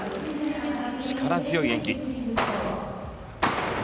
力強い演技。